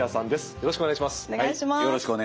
よろしくお願いします。